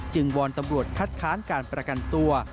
วอนตำรวจคัดค้านการประกันตัว